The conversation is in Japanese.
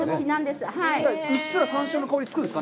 うっすらサンショウの香りがつくんですか？